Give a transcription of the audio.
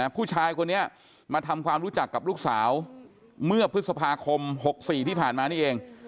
ผู้ชายคนนี้มาทำความรู้จักกับลูกสาวเมื่อพฤษภาคม๖๔ที่ผ่านมานี่เอง